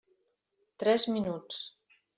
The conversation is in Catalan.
Tres minuts.